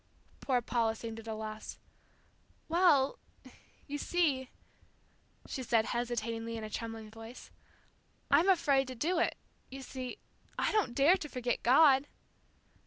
Poor Paula seemed at a loss. "Well, you see," she said, hesitatingly in a trembling voice, "I'm afraid to do it. You see, I don't dare to forget God."